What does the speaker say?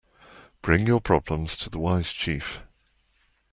Bring your problems to the wise chief.